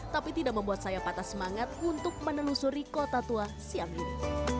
tapi tidak membuat saya patah semangat untuk menelusuri kota tua siang ini